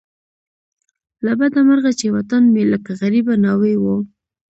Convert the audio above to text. له بده مرغه چې وطن مې لکه غریبه ناوې وو.